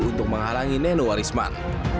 untuk menghalangi nenowarisman